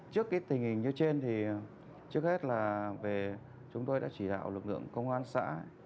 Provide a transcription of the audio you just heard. trước cái tình hình như trên thì trước hết là về chúng tôi đã chỉ đạo lực lượng công an xã